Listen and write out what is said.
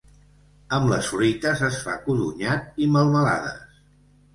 Amb les fruites es fa codonyat i melmelades.